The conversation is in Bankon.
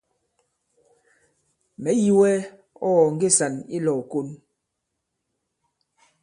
Mɛ̀ yi wɛ ɔ̂ ɔ̀ nge sàn i lɔ̄w ìkon.